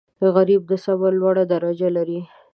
غریب د صبر لوړه درجه لري